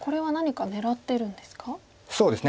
そうですね。